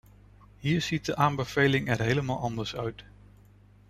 Hier ziet de aanbeveling er helemaal anders uit.